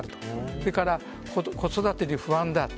それから子育てに不安だと。